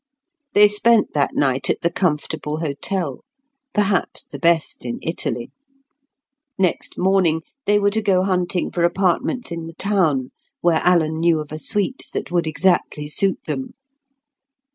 They spent that night at the comfortable hotel, perhaps the best in Italy. Next morning, they were to go hunting for apartments in the town, where Alan knew of a suite that would exactly suit them.